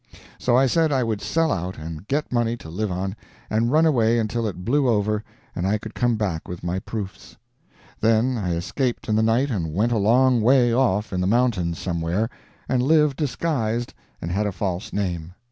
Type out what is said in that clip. So I said I would sell out and get money to live on, and run away until it blew over and I could come back with my proofs. Then I escaped in the night and went a long way off in the mountains somewhere, and lived disguised and had a false name.